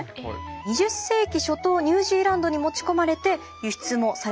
２０世紀初頭ニュージーランドに持ち込まれて輸出もされるようになりました。